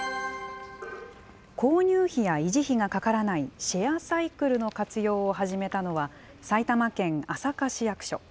購入費や維持費がかからないシェアサイクルの活用を始めたのは、埼玉県朝霞市役所。